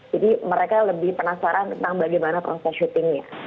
jadi mereka lebih penasaran tentang bagaimana proses syutingnya